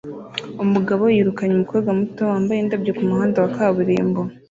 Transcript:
Umugabo yirukanye umukobwa muto wambaye indabyo kumuhanda wa kaburimbo